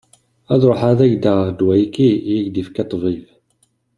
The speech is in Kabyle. Ad ruḥeɣ ad am-d-aɣeɣ ddwa-agi i ak-d-yefka ṭṭbib.